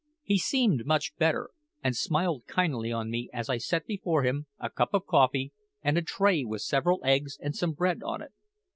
He seemed much better, and smiled kindly on me as I set before him a cup of coffee and a tray with several eggs and some bread on it.